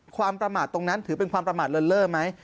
ความประมาทตรงนั้นถือเป็นความประมาทเลินเล่อไหม